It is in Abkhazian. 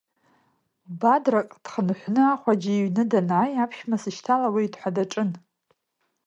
Бадраҟ дхынҳәны ахәаџьа иҩны данааи, аԥшәма сышьҭалауеит ҳәа даҿын.